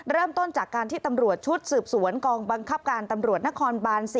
เริ่มต้นจากการที่ตำรวจชุดสืบสวนกองบังคับการตำรวจนครบาน๔